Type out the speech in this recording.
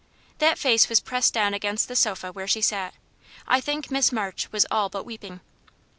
That face was pressed down against the sofa where she sat. I think Miss March was all but weeping.